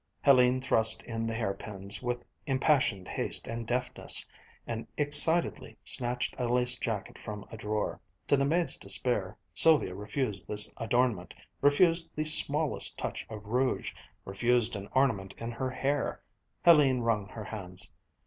Hélène thrust in the hairpins with impassioned haste and deftness, and excitedly snatched a lace jacket from a drawer. To the maid's despair Sylvia refused this adornment, refused the smallest touch of rouge, refused an ornament in her hair. Hélène wrung her hands.